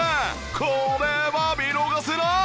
これは見逃せない！